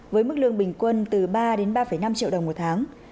với mức lương bình quân từ ba đến ba năm triệu đồng một tháng